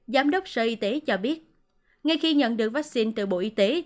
giám đốc sở y tế cho biết ngay khi nhận được vaccine từ bộ y tế